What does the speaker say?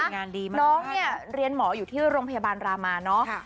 งานดีมากน้องเนี่ยเรียนหมออยู่ที่โรงพยาบาลรามาเนอะ